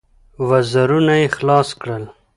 وزرونه يې خلاص کړل.